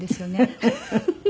フフフフ。